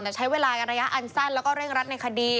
แต่ใช้เวลาระยะอันสั้นแล้วก็เร่งรัดในคดี